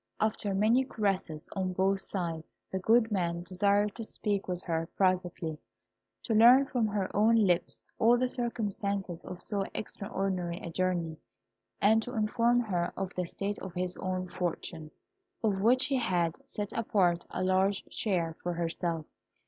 After many caresses on both sides, the good man desired to speak with her privately, to learn from her own lips all the circumstances of so extraordinary a journey, and to inform her of the state of his own fortune, of which he had set apart a large share for herself.